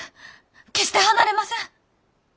決して離れません！